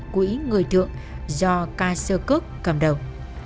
của ý người thượng do kassir kirk cầm đầu